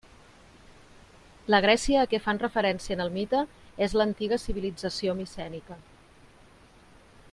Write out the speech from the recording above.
La Grècia a què fan referència en el mite és l'antiga civilització micènica.